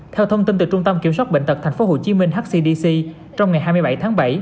theo thông tin từ trung tâm kiểm soát bệnh tật tp hcm hcdc trong ngày hai mươi bảy tháng bảy